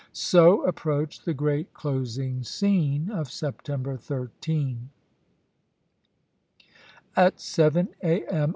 So approached the great closing scene of September 13. At seven A.M.